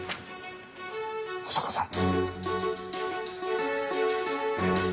保坂さん。